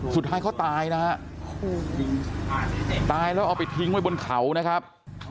สุดท้ายเขาตายนะฮะตายแล้วเอาไปทิ้งไว้บนเขานะครับ